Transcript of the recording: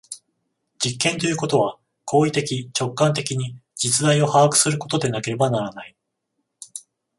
実験ということは行為的直観的に実在を把握することでなければならない。